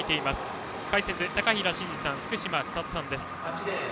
解説は高平慎士さん福島千里さんです。